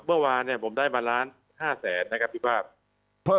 เมื่อวานผมได้๑๕๐๐๐๐๐บาทนะครับพี่ภาพ